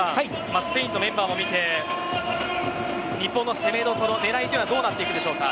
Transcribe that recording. スペインのメンバーを見て日本の攻めどころ、ねらいはどうなってくるでしょうか。